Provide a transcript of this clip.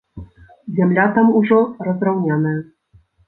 Зямля там ужо разраўняная.